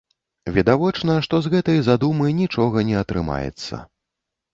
Відавочна, што з гэтай задумы нічога не атрымаецца.